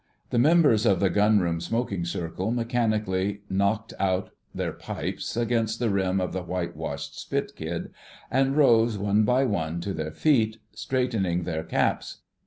The members of the Gunroom smoking circle mechanically knocked out their pipes against the rim of the white washed spitkid, and rose one by one to their feet, straightening their caps.